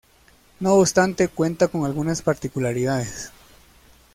No obstante, cuenta con algunas particularidades.